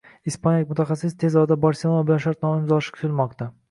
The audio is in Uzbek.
Ispaniyalik mutaxassis tez orada Barselona bilan shartnoma imzolashi kutilmoqda